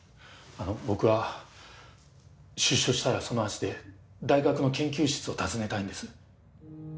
あの僕は出所したらその足で大学の研究室を訪ねたいんです。